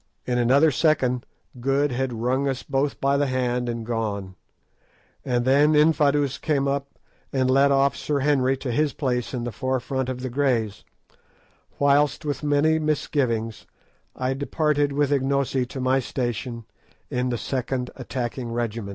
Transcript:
In another second Good had wrung us both by the hand and gone; and then Infadoos came up and led off Sir Henry to his place in the forefront of the Greys, whilst, with many misgivings, I departed with Ignosi to my station in the second attacking regiment.